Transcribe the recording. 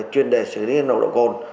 chuyên đề xử lý nồng độ cồn